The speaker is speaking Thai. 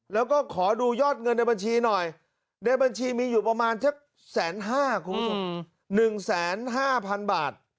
แล้วก็ขอดูยอดเงินในบัญชีหน่อยในบัญชีมีอยู่ประมาณ๑๕๐๐๐๐บาท